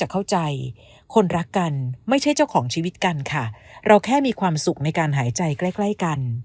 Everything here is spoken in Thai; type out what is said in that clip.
ความรักใจใกล้กัน